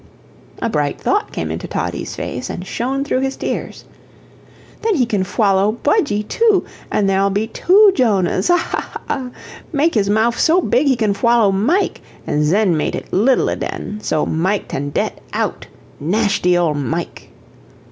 A bright thought came into Toddie's face and shone through his tears. "Then he can fwallow Budgie too, an' there'l be two Djonahs ha ha ha! Make his mouf so big he can fwallow Mike, an' zen mate it 'ittle aden, so Mike tan' det OUT; nashty old Mike!"